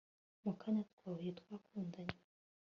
mu kanya twahuye, twakundanye